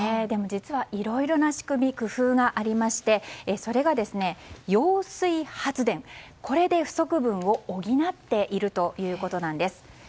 でも、実はいろいろな仕組み工夫がありましてそれが揚水発電、これで不足分を補っているということです。